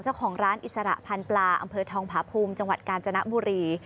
เจ้าของร้านอิสระพันธ์ปลาอำเภอทองผาภูมิจังหวัดกาญจนบุรี